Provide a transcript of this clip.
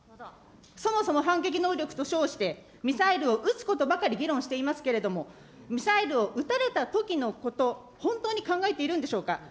そもそも反撃能力と称して、ミサイルを撃つことばかり議論していますけれども、ミサイルを撃たれたときのこと、本当に考えているんでしょうか。